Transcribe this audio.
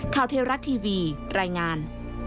ข่าวเทวรักทีวีรายงาน